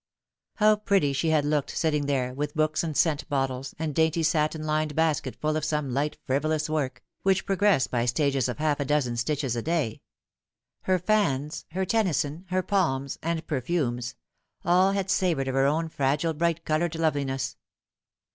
How pretty she had looked sitting there, with books and scent bottles, and dainty satin lined basket full of some light frivolous work, which progressed by stages of half a dozen stitches a day 1 Her fans, her Tennyson, her palms, 66 The Fatal Three, and perfumes all had savoured of her own fragile bright ooloured loveliness.